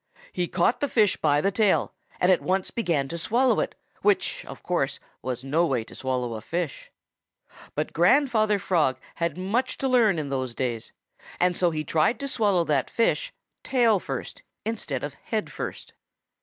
He caught the fish by the tail and at once began to swallow it, which, of course, was no way to swallow a fish. But Great grandfather Frog had much to learn in those day, and so he tried to swallow that fish tail first instead of head first.